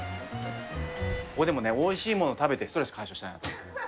でもおいしいものを食べて、ストレス解消したいなと。